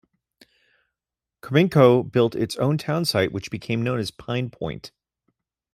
Cominco built its own townsite which became known as Pine Point.